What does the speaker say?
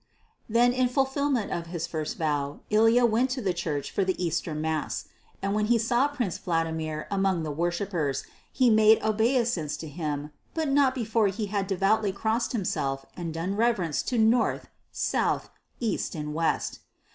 Then in fulfilment of his first vow Ilya went to the church for the Easter mass; and when he saw Prince Vladimir among the worshippers, he made obeisance to him, but not before he had devoutly crossed himself and done reverence to North, South, East, and West.